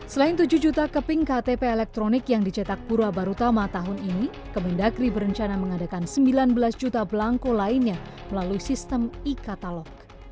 selain tujuh juta keping ktp elektronik yang dicetak pura barutama tahun ini kemendagri berencana mengadakan sembilan belas juta belangko lainnya melalui sistem e katalog